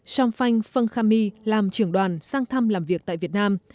songfang fengkhamy làm trưởng đoàn sang thăm làm việc tại việt nam